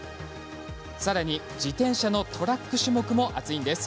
さらに自転車のトラック種目も熱いんです。